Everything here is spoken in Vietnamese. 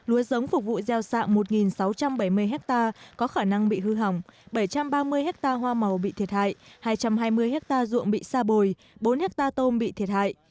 lúa giống phục vụ gieo xạ một sáu trăm bảy mươi hectare có khả năng bị hư hỏng bảy trăm ba mươi hectare hoa màu bị thiệt hại hai trăm hai mươi hectare ruộng bị sa bồi bốn hectare tôm bị thiệt hại